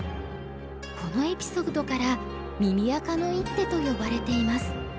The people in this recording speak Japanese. このエピソードから耳赤の一手と呼ばれています。